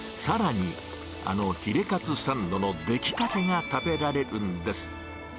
さらに、あのヒレかつサンドの出来たてが食べられるんです。